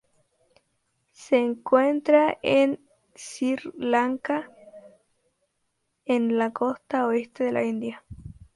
Se encuentra en Sri Lanka y en la costa oeste de la India.